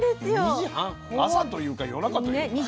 ２時半朝というか夜中というか。ね。